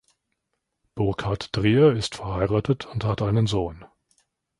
Burkhard Dreher ist verheiratet und hat einen Sohn.